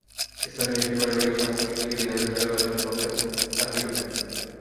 স্থানীয় একটি পারিবারিক স্বাস্থ্য ক্লিনিকে দেড় হাজার টাকা বেতনে পদে চাকরি নেন।